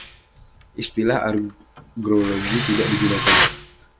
Istilah agrologi tidak digunakan.